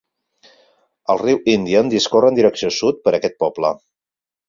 El riu Indian discorre en direcció sud per aquest poble.